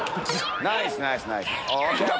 ナイスナイスナイス。